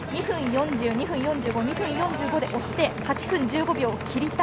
２分４０、２分４５で押して８分１５秒を切りたい。